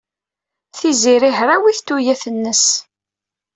Tiziri hrawit tuyat-nnes.